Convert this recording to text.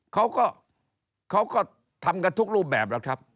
เขาก็เขาก็ทำกันทุกรูปแบบแล้วครับ